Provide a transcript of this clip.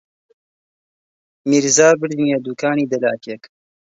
میرزا بردمییە دووکانی دەلاکێک